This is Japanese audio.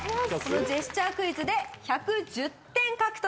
ジェスチャークイズで１１０点獲得。